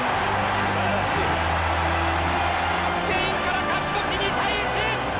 スペインから勝ち越し２対１。